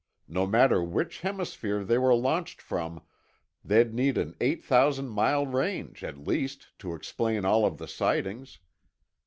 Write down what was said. No matter which hemisphere they were launched from, they'd need an eight thousand mile range, at least, to explain all of the sightings.